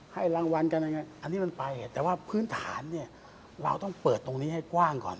ให้รางวัลกันยังไงอันนี้มันไปแต่ว่าพื้นฐานเนี่ยเราต้องเปิดตรงนี้ให้กว้างก่อน